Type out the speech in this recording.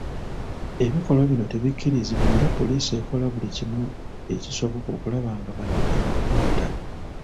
Ebikolwa bino tebikkirizibwa era poliisi ekola bulikimu ekisoboka okulaba nga bano ebakwata.